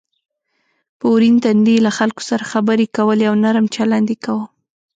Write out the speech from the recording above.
په ورین تندي یې له خلکو سره خبرې کولې او نرم چلند یې کاوه.